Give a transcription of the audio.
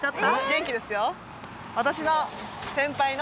元気ですよ。